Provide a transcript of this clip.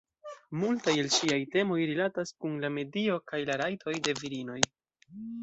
Multaj el ŝiaj temoj rilatas kun la medio kaj la rajtoj de virinoj.